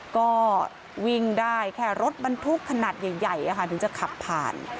ก็วิ่งได้แค่รถบรรทุกขนาดใหญ่ถึงจะขับผ่าน